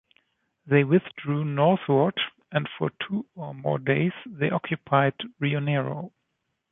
They withdrew northward and for two more days they occupied Rionero.